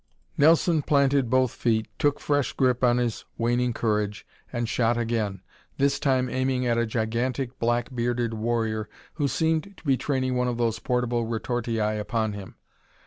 Nelson planted both feet, took fresh grip on his waning courage and shot again, this time aiming at a gigantic, black bearded warrior who seemed to be training one of those portable retortii upon him.